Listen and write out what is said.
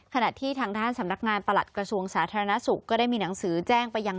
ขณะที่ทางด้านสำนักงานประหลัดกระทรวงสาธารณสุขก็ได้มีหนังสือแจ้งไปยัง